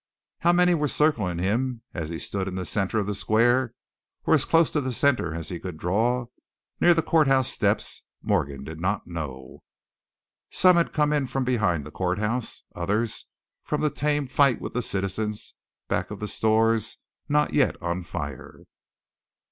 How many were circling him as he stood in the center of the square, or as close to the center as he could draw, near the courthouse steps, Morgan did not know. Some had come from behind the courthouse, others from the tame fight with the citizens back of the stores not yet on fire.